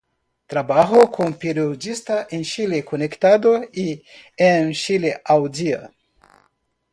Trabajó como periodista en Chile conectado y en Chile al día.